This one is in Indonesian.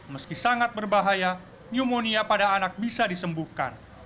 meski sangat berbahaya pneumonia pada anak bisa disembuhkan